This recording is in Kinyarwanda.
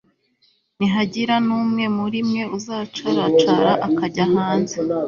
nihagira n'umwe muri mwe uzacaracara akajya hanze